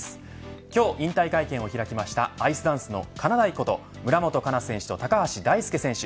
今日、引退会見を開きましたアイスダンスのかなだいこと村元哉中選手と高橋大輔選手。